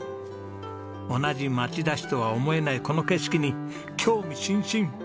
同じ町田市とは思えないこの景色に興味津々。